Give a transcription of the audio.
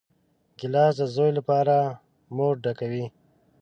ګیلاس د زوی لپاره مور ډکوي.